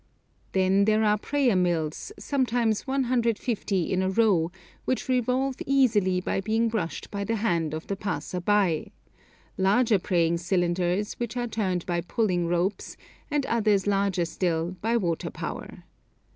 Then there are prayer mills, sometimes 150 in a row, which revolve easily by being brushed by the hand of the passer by, larger prayer cylinders which are turned by pulling ropes, and others larger still by water power.